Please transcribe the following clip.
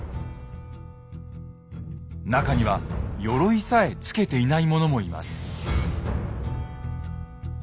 中にはよろいさえつけていない者もいます。